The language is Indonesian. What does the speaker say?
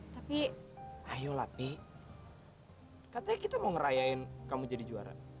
tapi ayo lapi katanya kita mau ngerayain kamu jadi juara